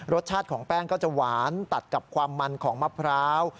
รสชาติของแป้งก็จะหวานตัดกับความมันของมะพร้าว